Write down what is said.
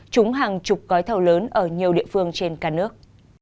trúng hàng chục gói thầu lớn ở nhiều địa phương trên cả nước